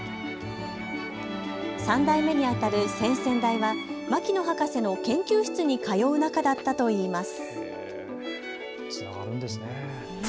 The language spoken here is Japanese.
３代目にあたる先々代は牧野博士の研究室に通う仲だったといいます。